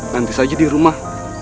nanti saja di rumah